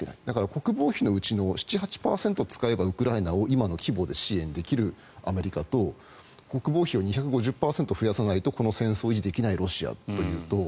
国防費のうちの７８％使えば、ウクライナを今の規模で支援できるアメリカと国防費を２５０％増やさないと戦争を維持できないロシア。